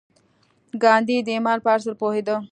ګاندي د ايمان پر اصل پوهېده.